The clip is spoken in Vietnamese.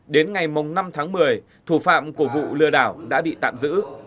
đến ngày năm tháng một mươi thủ phạm của vụ lừa đảo đã bị tạm giữ